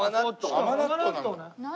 何？